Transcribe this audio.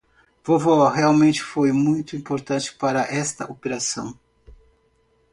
Vovó realmente foi muito importante para esta operação.